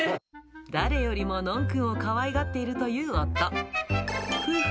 誰よりもノンくんをかわいがっているという夫。